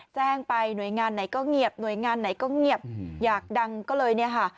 แจ้งไปหน่วยงานไหนก็เงียบหน่วยงานไหนก็เงียบอยากดังก็เลยเนี่ยค่ะ